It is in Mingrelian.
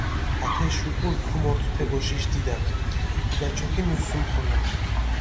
ათეში უკული ქუმორთუ თე ბოშეფიშ დიდაქ, ქუდაჩოქინუ სუმხოლო.